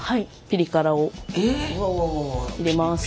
ピリ辛を入れます。